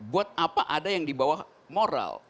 buat apa ada yang di bawah moral